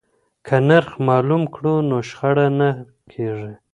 که نرخ معلوم کړو نو شخړه نه کیږي.